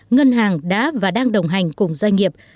ngân hàng đã và đang đồng hành cùng doanh nghiệp